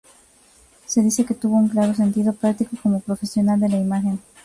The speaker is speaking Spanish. Se dice que tuvo un claro sentido práctico como profesional de la imagen.